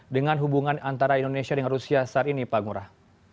dengan hubungan antara indonesia dengan rusia saat ini pak ngurah